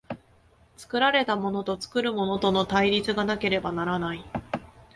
作られたものと作るものとの対立がなければならない。